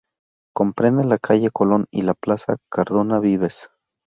Comprende la calle Colón y la plaza Cardona Vives.